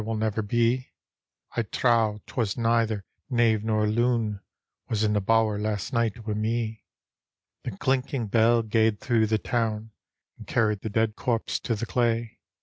will never be: I trow 'twas neither knave nor loon Was in the bower last night wi' me." The clinking bell gaed through the town. And carried the dead corpse to the clay.